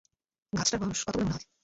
গাছটার বয়স কত বলে মনে হয়?